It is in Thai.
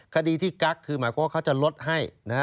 คดีที่กั๊กคือหมายความว่าเขาจะลดให้